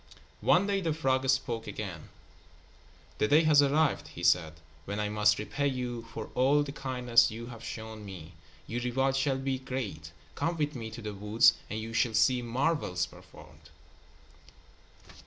One day the frog spoke again. "The day has arrived," he said, "when I must repay you for all the kindness you have shown me. Your reward shall be great. Come with me to the woods and you shall see marvels performed."